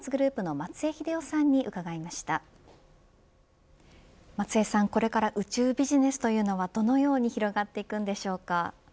松江さん、これから宇宙ビジネスというのはどのように広がっていくんでしょうか。